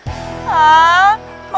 kita harus pakai jalur laut